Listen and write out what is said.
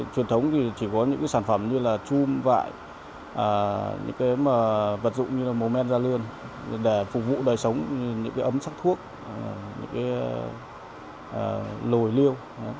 truyền thống thì chỉ có những sản phẩm như là chum vại những cái vật dụng như là mô men ra lươn để phục vụ đời sống những cái ấm sắc thuốc những cái lồi liêu